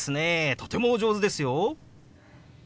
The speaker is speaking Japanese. とてもお上手ですよ！